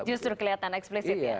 justru kelihatan eksplisit ya